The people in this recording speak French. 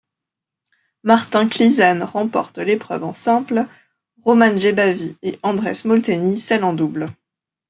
Martin Kližan remporte l'épreuve en simple, Roman Jebavý et Andrés Molteni celle en double.